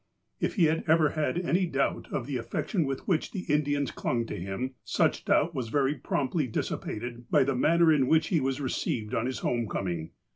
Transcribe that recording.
If he had ever had any doubt of the affection with which the Indians clung to him, such doubt was very promptly dissipated by the manner in which he was re ceived on his home coming.